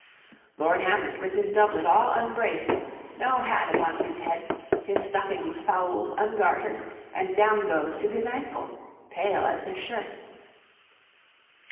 'Lord Hamlet, with his doublet all unbraced; No hat upon his head; his stockings fouled, Ungartered, and down goes to his ancle; Pale as his shirt.'